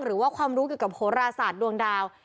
หรือว่าความรู้เกี่ยวกับโหราศาสตร์ดวงดาว